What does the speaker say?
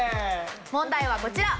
問題はこちら。